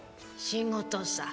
仕事さ。